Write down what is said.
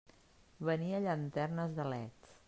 Venia llanternes de leds.